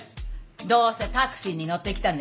どうせタクシーに乗ってきたんでしょ？